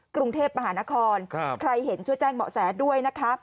กรุงเทพมหานครใครเห็นช่วยแจ้งเหมาะแสด้วยนะคะ